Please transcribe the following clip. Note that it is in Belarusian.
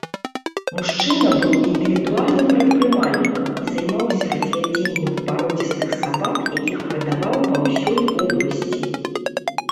Мужчына быў індывідуальным прадпрымальнікам і займаўся развядзеннем пародзістых сабак, якіх прадаваў па ўсёй вобласці.